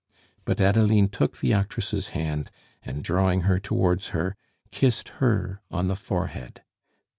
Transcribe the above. But Adeline took the actress' hand, and drawing her towards her, kissed her on the forehead.